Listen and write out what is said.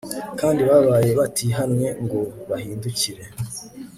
kandi babaye batihannye ngo bahindukire